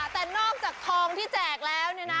แต่นอกจากทองที่แจกแล้ว